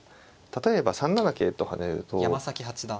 例えば３七桂と跳ねると２五桂と